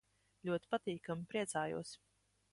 Ļoti patīkami. Priecājos.